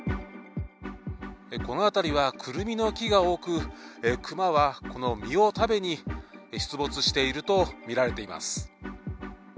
この辺りは、クルミの木が多く、クマはこの実を食べに、出没していると見られています。